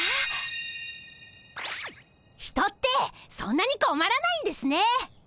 人ってそんなにこまらないんですね！